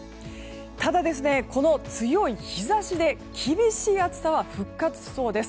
ただ、この強い日差しで厳しい暑さは復活しそうです。